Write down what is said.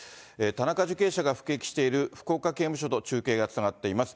田中受刑者が服役している福岡刑務所と中継がつながっています。